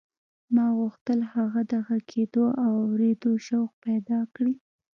ما غوښتل هغه د غږېدو او اورېدو شوق پیدا کړي